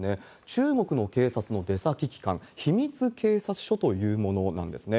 中国の警察の出先機関、秘密警察署というものなんですね。